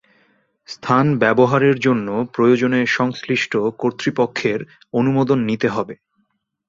স্থান ব্যবহারের জন্য প্রয়োজনে সংশ্লিষ্ট কর্তৃপক্ষের অনুমোদন নিতে হবে।